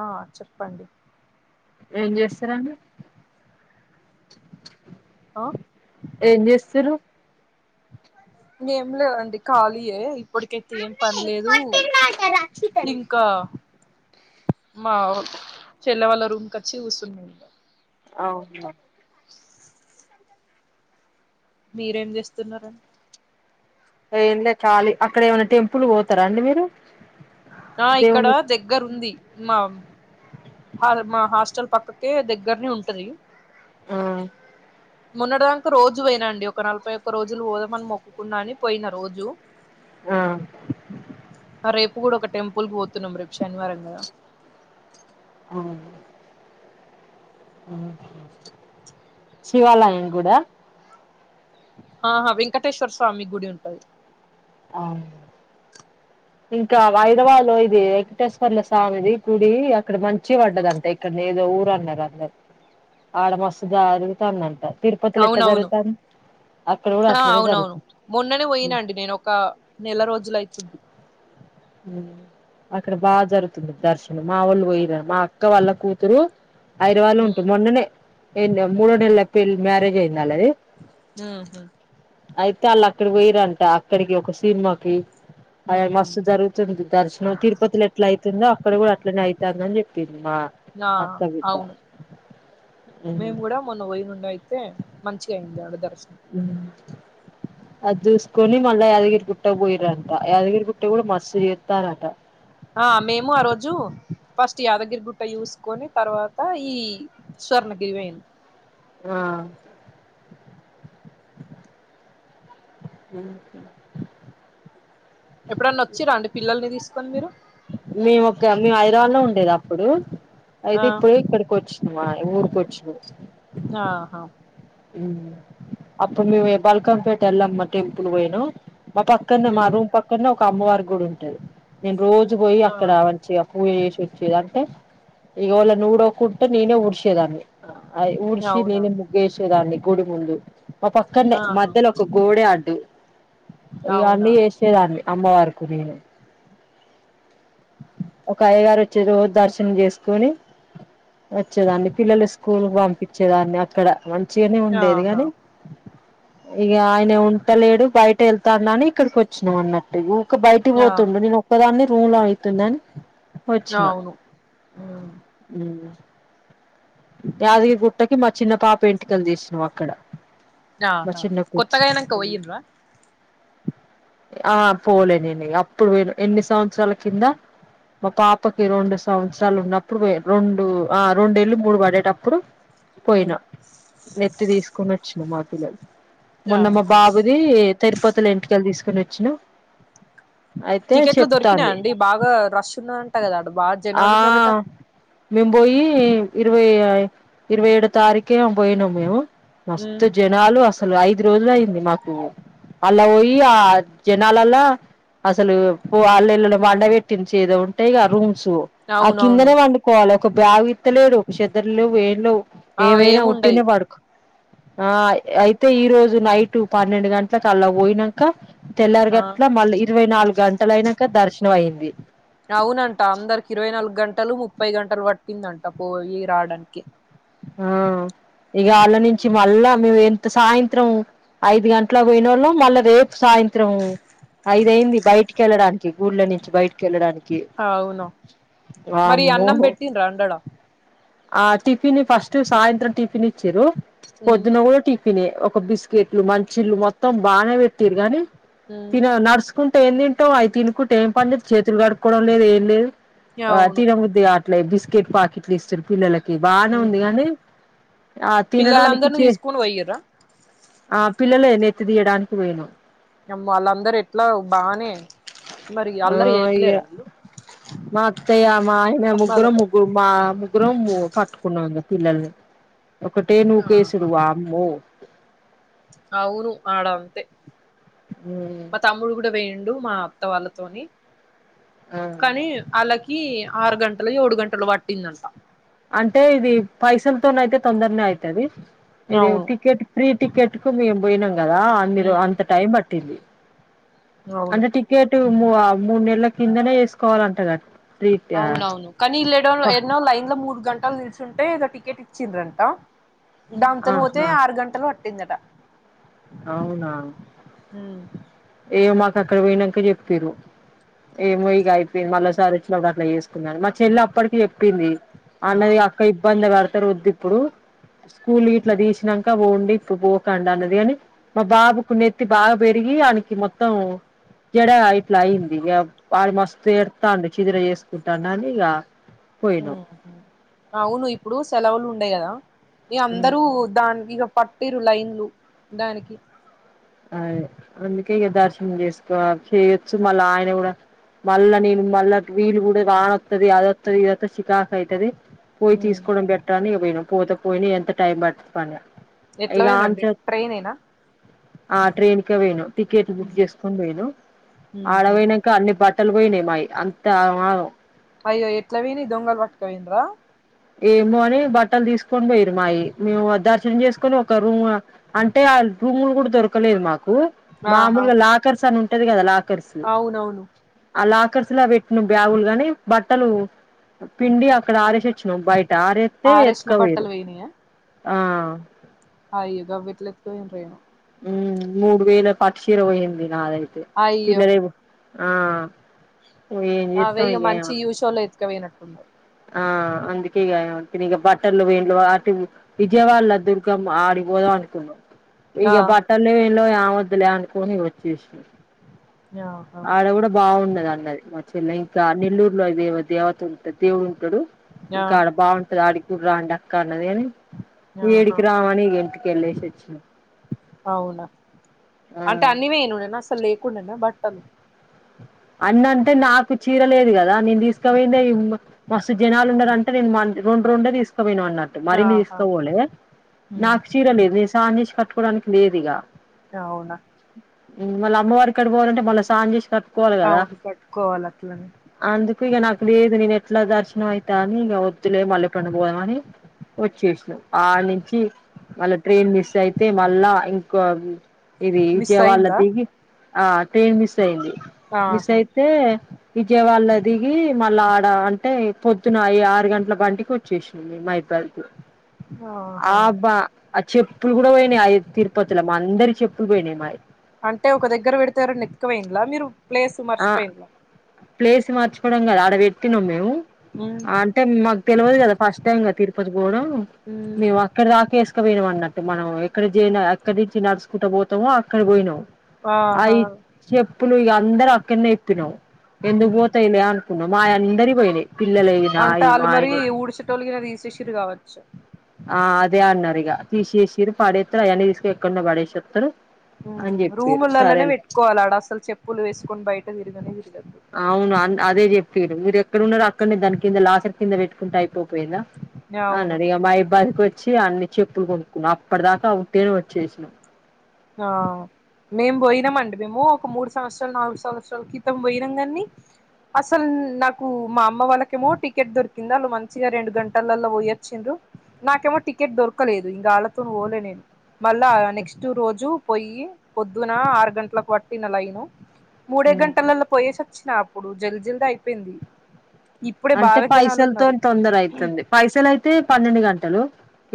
ఆ చెప్పండి ఏం చేస్తురండి ఆ ఏం చేస్తుర్రు ఇంగెం లేదండి ఖాళీయే ఇప్పటికే ఏం పనిలేదు ఇంకా మా చెల్లె వాళ్ళ రూంకు వచ్చి కూర్చున్నం ఇగ అవునా మీరేం చేస్తున్నారండి ఏం లే ఖాలీ అక్కడ ఏమైనా టెంపుల్కి పోతారా అండి మీరు ఆ ఇక్కడ దేవుని దగ్గర ఉంది మా హ మా హాస్టల్ పక్కకే దగ్గరనే ఉంటది ఆ మొన్నటి దంకా రోజు పోయినా అండి ఒక నలభై ఒక్క రోజులు పోదామని మొక్కుకున్నానని పోయిన రోజు ఆ రేపు కూడా ఒక టెంపుల్కు పోతున్నం రేపు శనివారం గా అవున్ శివాలయం గుడా ఆహా వెంకటేశ్వర స్వామి గుడి ఉంటది ఆ ఇంకా వైరవాలు ఇది వెంకటేశ్వర్ల స్వామిది గుడి అక్కడ మంచిగ పడ్డదంట [unintelligible] అక్కడ ఏదో ఊరు అన్నారు అందరూ ఆడ మస్తుజరుగుతాందట తిరుపతిలో ఎట్ల అవునవును జరుగుతాంది అక్కడ కూడా ఆ అట్లనే అవునవును జరుగుతుంది మొన్ననే పోయినండి నేను ఒక నెల రోజుల అయితుంది ఉమ్ అక్కడ బా జరుగుతుంది దర్శనం మా వాళ్ళు పోయిర మా అక్క వాళ్ళ కూతురు హైదరాబాదులో ఉంటు ఉమ్ మొన్ననే [unintelligible] మూడో నెలలో పెళ్లి మ్యారేజ్ అయింది వాళ్లది మ్ హు అయితే వాళ్ళు అక్కడ పోయిరంట అక్కడికి ఒక సినిమాకి అ ఉహు మస్తు జరుగు తుంది దర్శనం తిరుపతిలో ఎట్లా అయితుందో అక్కడ కూడా అట్లనే అయి తాందని చెప్పింది మా ఆ అవును ఉమ్ మేము కూడా మొన్న పోయి నుండి అయితే మంచిగా అయింది ఆడ దర్శనం ఉమ్ అది చూసుకొని మళ్ళ యాదగిరి గుట్ట పోయిర్రంట యాదగిరి గుట్ట కూడా మస్త్ చేత్తారంట ఆ మేము ఆ రోజు ఫస్ట్ యాదగిరిగుట్ట చూసుకొని తర్వాత ఈ స్వర్ణగిరి పోయింది ఆ ఉమ్ ఎప్పుడన్నా వచ్చిర అండి పిల్లల్ని తీసుకొని మీరు మేము ఒక మేము హైదరాబాద్ లో ఉండేది అప్పుడు ఆ అయితే ఇప్పుడే ఇక్కడికి వచ్చినమా ఈ ఊరికి వచ్చినం ఆహా ఉమ్ హు అప్పుడు మేమ్ బల్కంపేట ఎళ్ళమ్మ టెంపుల్ పోయినమ్ మా పక్కన మా ఉమ్ రూమ్ పక్కన ఒక అమ్మవారి గుడి ఉంటది నేను రోజు పోయి అక్కడ ఆహా మంచిగా పూజ చేసి వచ్చేది అంటే ఈగ ఓలైన ఉడువకుంటే నేనే ఉడ్చేదాన్ని అయి ఊడ్సి అవునా నేను ముగ్గుసేదాన్ని గుడి ముందు మా పక్కన్నే ఆహా మధ్యలో ఒక గోడే అడ్డు ఇగా అవునా అన్ని చేసే చ్చేదాన్ని అమ్మవారి గుడిలో ఒక అయ్యగారు వచ్చే రోజు దర్శనం చేసుకుని వచ్చేదాన్ని పిల్లలు స్కూల్ పంపించేదాన్ని అక్కడ మంచిగనే ఉండేది ఆహా గానీ ఇగా ఆయన ఉంటలేడు బయట వెళ్తాన్నాని ఇక్కడికి వచ్చినాం అన్నట్టుగా ఊర్కు బయటి ఆ పోతుండు నేను ఒక్కాదాన్ని రూమ్ లో అయి కుతుందని వచ్చిన అవును ఉమ్ యాదగిరిగు [unintelligible] మా చిన్న పాప ఎంటికలు తీసినం అక్కడ మా ఆహా చిన్న కొత్తగ కూతురు అయినంక పోయిండ్ర ఆ పోలేనేనిగ అప్పుడే పోయినా ఎన్ని సంవత్సరాల కింద మా పాపకి రెండు సంవత్సరాలు ఉన్నప్పుడు ఆ రొండు ఆ రొండు ఎల్లి మూడు మూడు పడేటప్పుడు పోయిన నెత్తి తీసుకొని వచ్చిన మా పిల్లలు మొన్న మా ఆహా బాబుది తిరుపతి లో ఎంటికలు తీసుకుని వచ్చిన టికెట్లు దొరికిన అండి బాగా రష్ ఉన్నదట కదా అ బాగా ఆ జనాలు ఉన్నారట మేము పోయి ఇరవై ఇరవై ఏడో తారీఖే పోయినాము మేము ఉమ్ మస్తు జనాలు అసలు ఐదు రోజులు అయింది మాకు అల్ల పోయి ఆ జనాలల్ల అసలు వాళ్ళళ్ళని బండ పెట్టించి ఏదో ఉంటాయి కథ రూమ్స్ ఆ అవునవును కిందనే వండుకోవాలి ఒక బాగు ఇత్తలేడు ఒక చెద్దరులు లేవు ఏం లేవు ఆ ఏమైన ఏముండయి ఉుట్టినే పడుకు ఆ అయితే ఈ రోజు నైట్ పన్నెండు గంటలకు అలా పోయిన క తెల్లారి ఆ గట్ల మళ్ళీ ఇరవై నాలుగు గంటల అయినాక దర్శనం అయింది అవునంట అందరికి ఇరవై నాలుగు గంటలు ముప్పై గంటలు పట్టిందంట పోయి రావడానికి ఆ ఇగ వాళ్ళ నుంచి మళ్ళా మేము ఎంత సాయంత్రం ఐదు గంటలకు పోయినోళ్ళు మళ్ళా రేపు సాయంత్రం ఐదయింది బయటికిళ్ళడానికి గుళ్ళ నుంచి బయటకి వెళ్ళడానికి అవును మరి వామ్మో అన్నం పెట్టిండ్రా అండి ఆడ ఆ టిఫిన్ ఫస్ట్ సాయంత్రం టిఫిన్ ఇచ్చారు ఉమ్ పొద్దున్న కూడ టి తినే ఒక బిస్కెట్లు మంచిళ్లు మొత్తం బాగా పెట్రు గాని ఉమ్ తినీ [unintelligible] తకుంటే ఏం [unintelligible] అయి తినుకుంటే ఏం పనిలేదు చేతులు కడుక్కకోవడం లేదు ఏం లేదు అవును తిన బుద్ధి బిస్కిట్ పాకట్ తీస్తర పిల్లలకి బానే ఉంది ఉమ్ గానీ ఆ తినడానికి పిల్లలందరినీ చే తీసుకొని పోయిర్రా ఆ పిల్లలే న ఎత్తి తీయడానికి [unintelligible] వాళ్ళందరు ఎట్లా బానే మరి ఆ అల్లరి ఇగ వయలేరు వాళ్ళు మా అత్తయ్య మా ఆయన ముగ్గురం పక్కనోళ్ళతో ముగ్గురు మా ముగ్గురం పట్టుకున్నాం పిల్లల్ని ఒకటే నుకేసుడు ఆహా వామ్మో ఆవును ఆడ అంతే మ్మ్ మా తమ్ముడు కూడ వేయిండు మా వాళ్ళతోని ఆ కానీ వాళ్ళకి ఆరు గంటలో ఏడు గంటలో పట్టిందంట అంటే ఇది పైసలతోని అయితే తొందరనే అవుతుది ఇది అవును టికెట్ ఫ్రీ టికెట్కు మేము పోయినాం కదా అ మీరు ఉమ్ అంత టైం పట్టింది అవును అంటే టికెట్ మూడు నెలల కిందనే వేసుకోవాలంట [unintelligible] అవునవును కానీ ఇల్లు ఎడో ఎన్నో లైన్ లో మూడు గంటలు నిలిచుంటేో టికెట్ ఇచ్చింద్రంట దాని తోని పోతే ఆహా ఆరు గంటలు పట్టిందట అవునా హు [unintelligible] మాకు అక్కడ పోయినాక చెప్పిరు ఏమో ఇగ అయిపోయింది మళ్ళసారి ఇట్లా కూడా అట్లా చేసుకుందను మా చెల్లి అప్పటికి చెప్పింది ఆ అన్నయ అక్క ఇబ్బంది పడతారు వద్దు ఇప్పుడు స్కూల్ గిట్లా తీసినాక పొండి ఇప్పుడు పోకండి అన్నది గని మా బాబుకు నెత్తి బాగా పెరిగి ఆనీకి మొత్తం జడ ఇట్లా అయింది ఇక వాడు మస్తు ఏడ్తండు చిదిర చేసుకుంటాడు అని ఇగ అవును ఇప్పుడు సెలవులు ఉండయి కదా ఇగ అందరూ దానికి ఇగ పట్టిరు లైన్లు దానికి అదే అందుకే ఇక దర్శనం చేసుకోలి చేయొచ్చు మళ్ళా ఆయన కూడా మళ్ళ నేను మళ్ళ వీల్ కూడా వాన అత్తది అది అత్తది ఇదొత్తాది చికాక్ అయితది పోయి ఉమ్ తీసుకోవడం బెటరని పోయినం పోతే పోయిన ఎంత టైం పట్టంది పని ఎట్లా ఇక ఆన్చ పోనండి ట్రైన్ ఏనా ఆ ట్రైన్ కే వేయినం టికెట్ బుక్ చేసుకొని పోయినం ఉహు ఆడవేనా ఇంకా అన్ని బట్టలు పోయినాయి మాయి అంత ఆగమగం అయ్యో ఎట్లా పోయినా దొంగల్ పట్టుకవేయిరా ఏమో అని బట్టలు తీసుకొని పోయిరు మాయి మేము దర్శనం చేసుకొని ఒక రూమ్ అంటే ఆ రూములు కూడా దొరకలేదు మాకు ఆహా మామూలుగా లాకర్స్ అని ఉంటది కదా లాకర్స్ అవునవును ఆ లాకర్స్ లా పెట్టిన బ్యాగులు గాని బట్టలు పిండి అక్కడ ఆరేసే చ్చినం బయట ఆరు ఎత్తే ఆరేసిన ఎతుక వేయిరు బట్టలు పోయినయా ఆ అయ్యో గవ్వేట్ల ఎత్తుకవయ్యిరో ఏమో ఉ మూడు వేల పట్టుచీర పోయింది నాదైతే అయ్యో పిల్లలే ఆ ఏం చేత్తం ఇగేమో చోలో ఎత్తుక పే నట్టున్నారు ఆ అందుకే ఇగ బట్టర్లు వేళ్లు ఆటి విజయవాడల దుర్గమ్మ ఆడికిపోదాం అనుకున్నాం ఆ ఇక బట్టలు లేవు ఏం లేవు యమద్లే అనుకోని వచ్చేసినం ఆహా ఆడ కూడా బాగున్నది అన్నది మచ్చల ఇంకా నెల్లూరులో అద దేవత ఉంట దేవుడు ఉంటాడు. ఆ ఇంకాడ బాగుంటది ఆడి కూడా రామ్డక్క అన్నది గని ఆహా ఏడికి రావని ఇగ ఇంటికికెళ్ళేసి వచ్చినం అవునా ఆ అంటే అన్ని అన్ని పోయినుండేన అసలు లె కుండేన బట్టలు అన్ని అంటే నాకు చీర లేదు కదా నేను తీసుకపోయిందే మస్తు జనాలు ఉన్నరంటే నేను రెండు రెండే తీసుకుపోయినం అన్నా మరిన్ని ఆహా తీసుకపోలే ఉమ్ నాకు చీర లేదు నేను స్నానంనేసి కట్టుకోవడానికి లేదు ఇగ అవునా మళ్ళా అమ్మవారి కాడికి పోవాలంటే మళ్ళా సాంజేసి అవును కట్టుకోవాలి అట్లనే అందుకు ఇగ నాకు లేదు నేను ఎట్లా దర్శనం అయితా అని ఇగ వద్దులే మల్లెప్పుడన్న పోదాం అని వచ్చేసినాం ఆ నుంచి మళ్ళా ట్రైన్ మిస్ అయితే మళ్ళా ఇంకో ఇది మిస్ విజయవాళ్ళ అయిందా దిగి ఆ ట్రైన్ మిస్ అయింది శబ్దంగా ఉంది మీస్ అయితే విజయవాళ్ళ దిగి మళ్ళా ఆడ అంటే పొద్దున ఈ ఆరు గంటల బండికి వచ్చేసినం మైపనీ ఆహా ఆబ్బా ఆ చెప్పులు కూడా పోయినాయి అ తిరుపతిల మా అందరి చెప్పులు పోయినాయి మాయి అంటే ఒక దగ్గర పెడితే ఎవరన్న ఎత్తుకపోయిన్ల మీరు ప్లేస్ ఆ మర్చిపోయిల్ల ప్లేస్ మార్చిపోవడం కాదు ఆడ పెట్టినాం మేము. ఉమ్ అంటే మాకు తెలువదు కదా, ఫస్ట్ టైమ్ తిరుపతి పోవడం. ఉమ్ మేము ఆ అక్కడ దాక వేసుకపోయినాం అన్నట్టు మనం ఎక్కడి నుంచి నడుచకుంటూ పోతామో అక్కడ పోయినాం. ఆహా అవి చెప్పులు ఇగా అందరూ అక్కడనే ఇప్పినాము. ఎందుకు ఉమ్ పోతాయిలే అనుకున్నాం మాఅందరివి పోయినాయి పిల్లలవి, నావి, మా ఆయనవి. మొత్తం గిన తీసేసిరు కావచ్చు. ఆ అదే అన్నారు ఇక తీసేసిరు పడేత్తారు అయన్నీ తీసుకపోయి ఎక్కడనో పడేసోత్తరు. రూములలోనే పెట్టుకోవాలి ఆడ అసలు చెప్పులు వేసుకొని బయట తిరిగనే తిరగద్దు. అవును అదే చెప్పిరూ. మీరు ఎక్కడ ఉన్నారో అక్కడనే దాని కింద లాకర్ కింద పెట్టుకుంటే అయిపోకపోయెదా. అవును అన్నారూ. ఇక మరి బయటికి వచ్చి అన్నీ చెప్పులు కొనుక్కున్నాము. అప్పటి దాకా ఒట్టిగానే వచ్చేసినాం. ఆ మేము పోయినాం అండి. మేము ఒక మూడు సంవత్సరాలు నాలుగు సంవత్సరాల క్రితం పోయినాం కానీ అసలు నాకు మా అమ్మ వాళ్ళకేమో టికెట్ దొరికింది. వాళ్ళు మంచిగా రెండు గంటలలో పోయొచ్చిండ్రు. నాకేమో టికెట్ దొరకలేదు. నేను వాళ్తోను పోలే నేను. మళ్ళా నెక్స్ట్ రోజు పోయి పొద్దున ఆరు గంటలకు పట్టిన లైను. మూడే హ్మ్ గంటలలో పోయేసి వచ్చిన అప్పుడు జల్ది జల్ది అయిపోయింది. ఇప్పుడే అంటే బాగా జనాలు ఉన్నారు పైసలతోనీ తొందర అయితుంది. పైసలు అయితే పన్నెండు గంటలు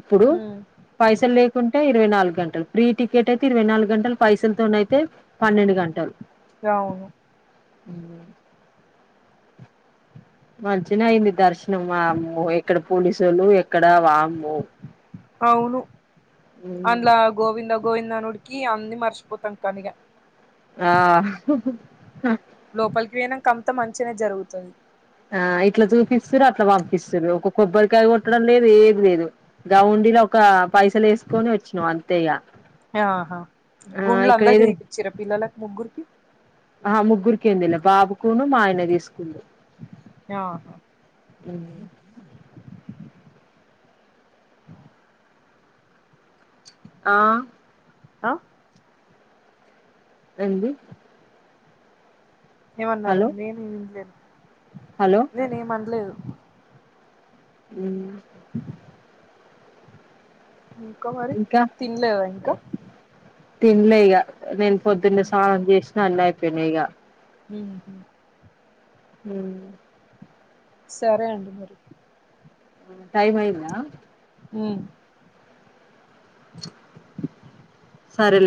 ఇప్పుడు. ఉమ్ పైసలు లేకుంటే ఇరవై నాలుగు గంటలు. ఫ్రీ టికెట్ అయితే ఇరవై నాలుగు గంటలు. పైసలతోన అయితే పన్నెండు గంటలు. అవును ఉ మంచిన అయింది దర్శనం వామ్మో ఎక్కడ పోలీసోళ్ళు ఎక్కడ వామ్మో అవును మ్ అందులో గోవింద గోవింద అనుడికి అన్నీ మర్చిపోతారు ఇగ ఆ హ్మ్ హూ లోపలికి పోయినాక అంతా మంచిగనే జరుగుతాది. ఆ ఇట్లా చూపిస్తారు అట్లా పంపిస్తారు. ఒక కొబ్బరికాయ కొట్టడం లేదు ఏం లేదు. గా ఉండీలో ఒక పైసలు వేసుకొని వచ్చినాం అంతే ఇగ ఆహా, ఆ గుండ్లు ఇక్కడ అందరికి ఎదురు తీయిచ్చిరా పిల్లలకి ముగ్గురికి ఆహా ముగ్గురికి ఏం తీయాలే. బాబుకును మా ఆయనే తీసుకుండు. ఆహా మ్ హూ ఆ హ ఏంది ఏమన్నారో హలో నేను వినలేదు. హలో నేను ఏం అనలేదు. మ్ ఇంకా మరి ఇంకా తినలేదా ఇంకా తినలే ఇగ నేను పొద్దున్నే సానం చేసినా అన్నీ అయిపోయినాయి ఇగ. మ్ మ్ సరే అండి మరి టైం అయిందా? హు సరేలే